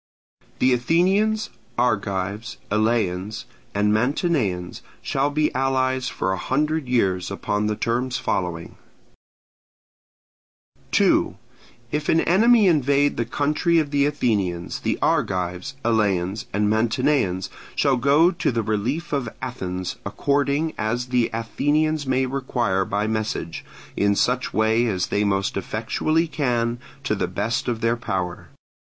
The Athenians, Argives, Eleans, and Mantineans shall be allies for a hundred years upon the terms following: 2. If an enemy invade the country of the Athenians, the Argives, Eleans, and Mantineans shall go to the relief of Athens, according as the Athenians may require by message, in such way as they most effectually can, to the best of their power.